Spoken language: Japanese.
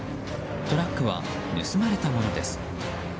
トラックは盗まれたものです。